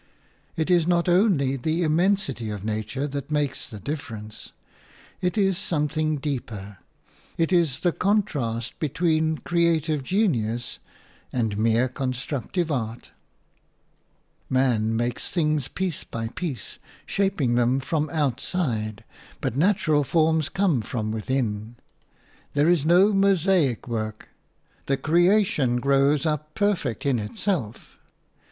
It is not only the immensity of nature that makes the difference; it is something deeper; it is the contrast between creative genius and mere constructive art. Man makes things piece by piece, shaping them from outside, but natural forms come from within; there is no mosaic work; the creation grows up perfect in itself.